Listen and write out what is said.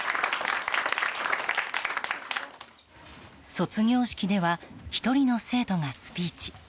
卒業式では１人の生徒がスピーチ。